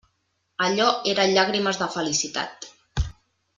Allò eren llàgrimes de felicitat.